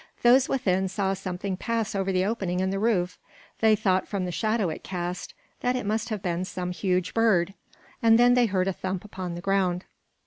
Those within saw something pass over the opening in the roof; they thought from the shadow it cast that it must have been some huge bird and then they heard a thump upon the ground.